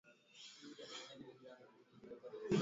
kulikuwa na vikundi tofauti vilivyokuja naa